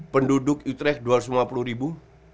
penduduk utrech dua ratus lima puluh ribu